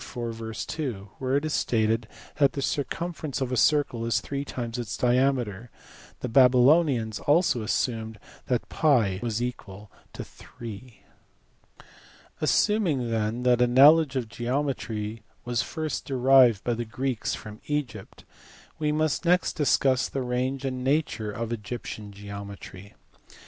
4, v. 2, where it is stated that the circumference of a circle is three times its diameter : the Babylonians* also assumed that TT was equal to 3. Assuming then that a knowledge of geometry was first derived by the Greeks from Egypt, we must next discuss the range and nature of Egyptian geometry f